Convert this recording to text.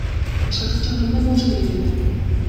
Башкача кандай болуш керек эле?